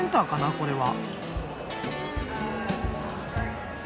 これは。